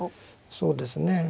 そうですね。